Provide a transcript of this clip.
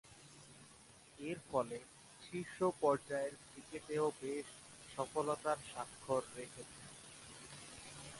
এরফলে, শীর্ষ পর্যায়ের ক্রিকেটেও বেশ সফলতার স্বাক্ষর রেখেছেন।